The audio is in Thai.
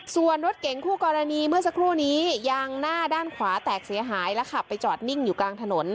ส่วนรถเก๋งคู่กรณีเมื่อสักครู่นี้ยางหน้าด้านขวาแตกเสียหายและขับไปจอดนิ่งอยู่กลางถนน